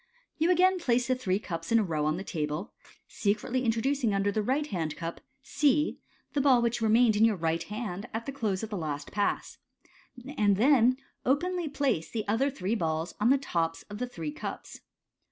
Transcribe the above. — You again place the three cups in a row on the table, secretly introducing under the right hand cup (C) the ball which remained in your right hand at the close of the last Pass, and then openly place the three other balls on the tops of the three cups.